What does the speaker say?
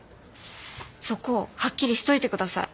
そこはっきりしといてください。